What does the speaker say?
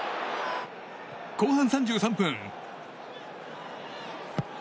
後半３３分。